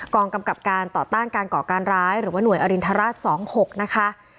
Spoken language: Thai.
กำกับการต่อต้านการก่อการร้ายหรือว่าหน่วยอรินทราช๒๖นะคะ